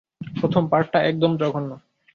প্রথম পার্টটা একদম জঘন্য।